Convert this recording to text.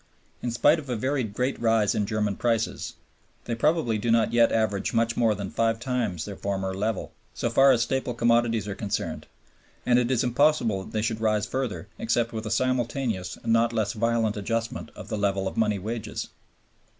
In spite of a very great rise in German prices, they probably do not yet average much more than five times their former level, so far as staple commodities are concerned; and it is impossible that they should rise further except with a simultaneous and not less violent adjustment of the level of money wages.